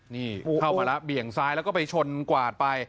นี่เข้ามาแล้วเบี่ยงซ้ายแล้วก็ไปชนกวาดไป